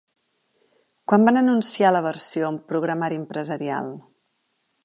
Quan van anunciar la versió amb programari empresarial?